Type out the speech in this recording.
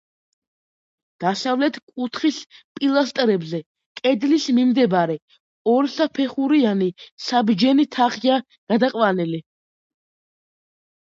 დასავლეთ კუთხის პილასტრებზე კედლის მიმდებარე ორსაფეხურიანი საბჯენი თაღია გადაყვანილი.